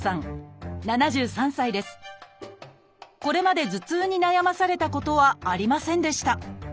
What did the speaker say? これまで頭痛に悩まされたことはありませんでした。